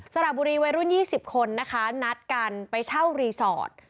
สระบุรีวัยรุ่น๒๐คนนะคะนัดกันไปเช่ารีสอร์ท